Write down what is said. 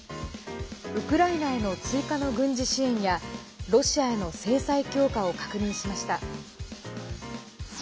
ウクライナへの追加の軍事支援やロシアへの制裁強化を確認しました。